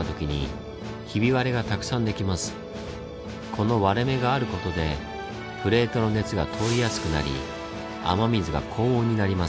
この割れ目があることでプレートの熱が通りやすくなり雨水が高温になります。